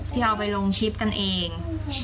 ที่เอาไปลงชิปกันเอง